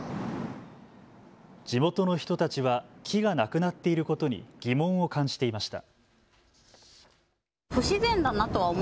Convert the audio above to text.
地元の人たちは木がなくなっていることに疑問を感じていました。